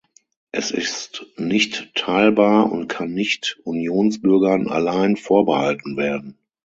Es ist nicht teilbar und kann nicht Unionsbürgern allein vorbehalten werden.